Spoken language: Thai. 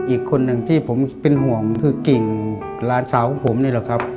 อีกคนหนึ่งที่ผมเป็นห่วงคือกิ่งหลานสาวของผมนี่แหละครับ